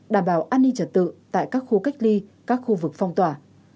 đảm bảo an ninh trật tự tại các khu cách ly các khu vực phong tỏa